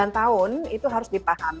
sembilan tahun itu harus dipahami